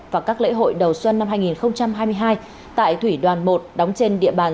và các lễ hội đầu xuân năm hai nghìn hai mươi hai tại thủy đoàn một đóng trên địa bàn